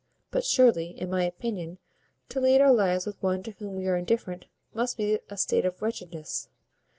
but surely, in my opinion, to lead our lives with one to whom we are indifferent must be a state of wretchedness.